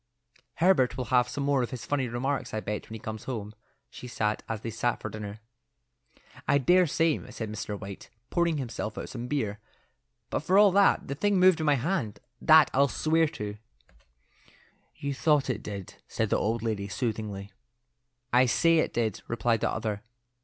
"Herbert will have some more of his funny remarks, I expect, when he comes home," she said, as they sat at dinner. "I dare say," said Mr. White, pouring himself out some beer; "but for all that, the thing moved in my hand; that I'll swear to." "You thought it did," said the old lady soothingly. "I say it did," replied the other.